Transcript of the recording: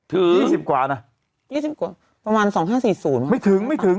ถึง๒๐กว่านะน่าจะประมาณ๒๕๔๐ประมาณ